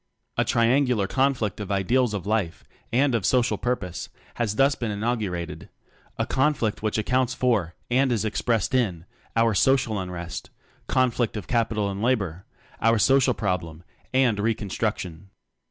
A triangular conflict of ideals of life and of social purpose has thus been inaugurated; a conflict which ac counts for and is expressed in our "social unrest," "conflict of capital and labor," our "social problem" and "reconstruction."